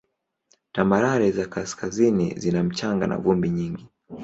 Tambarare za kaskazini zina mchanga na vumbi nyingi.